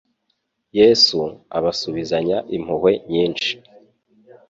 Yesu abasubizanya impuhwe nyinshi